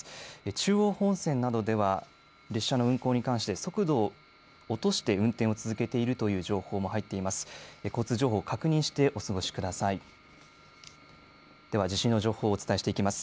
中央本線などでは列車の運行に関して、速度を落として運転を続けているという情報も入っています。